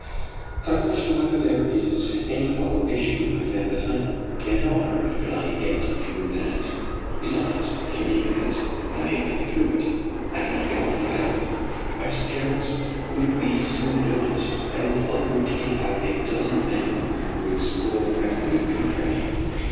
I question whether there is any other issue than the tunnel, and how on earth could I get through that? Besides, admitting that I am able to get through it, I cannot get off the island. My disappearance would be soon noticed, and the tug would take out a dozen men who would explore every nook and cranny.